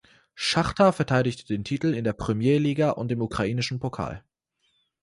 Schachtar verteidigte den Titel in der Premier Liha und im ukrainischen Pokal.